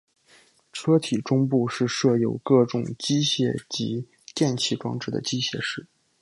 车体中部是设有各种机械及电气装置的机械室。